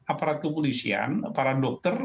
aparat kepolisian para dokter